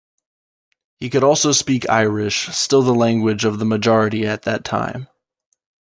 He also could speak Irish, still the language of the majority at that time.